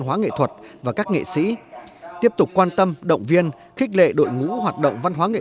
hóa nghệ thuật và các nghệ sĩ tiếp tục quan tâm động viên khích lệ đội ngũ hoạt động văn hóa nghệ